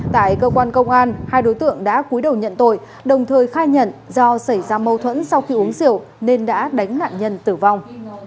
tại cơ quan công an hai đối tượng đã cuối đầu nhận tội đồng thời khai nhận do xảy ra mâu thuẫn sau khi uống rượu nên đã đánh nạn nhân tử vong